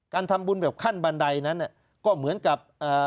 การทำบุญแบบขั้นบันไดนั้นก็เหมือนกับ